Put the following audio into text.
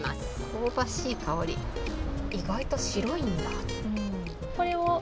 香ばしい香り、意外と白いんだ。